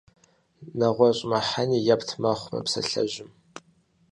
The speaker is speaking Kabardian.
НэгъуэщӀ мыхьэнэи епт мэхъу мы псалъэжьым.